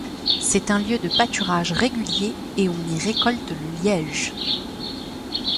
C’est un lieu de pâturage régulier et on y récolte le liège.